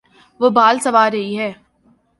وہ بال سنوار رہی ہے